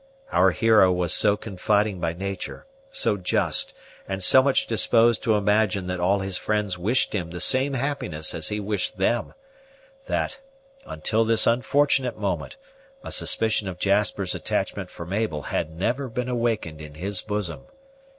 Our hero was so confiding by nature, so just, and so much disposed to imagine that all his friends wished him the same happiness as he wished them, that, until this unfortunate moment, a suspicion of Jasper's attachment for Mabel had never been awakened in his bosom.